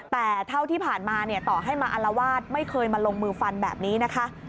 แต่เท่าที่ผ่านมาเนี่ยต่อให้มาอารวาสไม่เคยมาลงมือฟันแบบนี้นะคะ